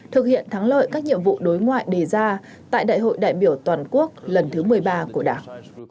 thực hiện thắng lợi các nhiệm vụ đối ngoại đề ra tại đại hội đại biểu toàn quốc lần thứ một mươi ba của đảng